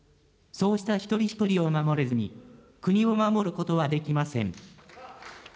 そうした一人一人を守れずに、国を守ることはできません。